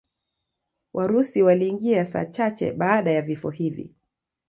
Warusi waliingia saa chache baada ya vifo hivi.